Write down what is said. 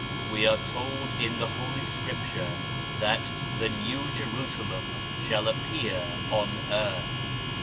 We are told in the Holy Scripture that the New Jeru salem shall appear on earth.